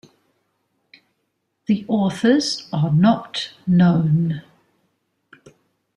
The authors are not known.